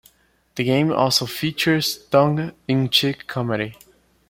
The game also features tongue-in-cheek comedy.